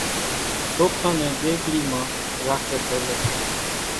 سوکان نين ۮيڳري مان راکي سي لئي